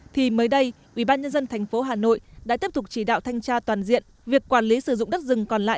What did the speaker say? thì mới đây ubnd tp hà nội đã tiếp tục chỉ đạo thanh tra toàn diện việc quản lý sử dụng đất rừng còn lại